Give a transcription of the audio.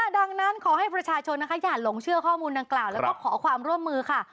ดังนั้นขอให้ประชาชนนะคะอย่าหลงเชื่อข้อมูลดังกล่าวแล้วก็ขอความร่วมมือค่ะ